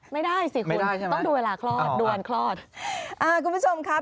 ไม่ได้สิคุณต้องดูเวลาคลอดดูวันคลอดอ่าคุณผู้ชมครับ